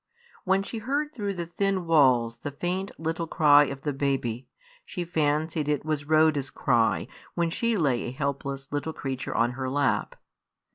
When she heard through the thin walls the faint little cry of the baby, she fancied it was Rhoda's cry when she lay a helpless little creature on her lap.